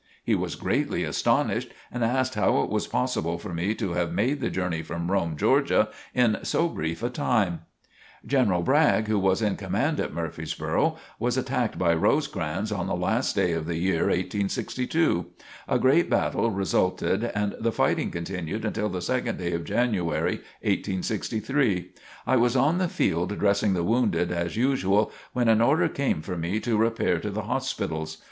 He was greatly astonished and asked how it was possible for me to have made the journey from Rome, Georgia, in so brief a time. General Bragg, who was in command at Murfreesboro, was attacked by Rosecrans on the last day of the year 1862. A great battle resulted and the fighting continued until the 2d day of January, 1863. I was on the field dressing the wounded, as usual, when an order came for me to repair to the hospitals.